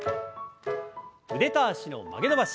腕と脚の曲げ伸ばし。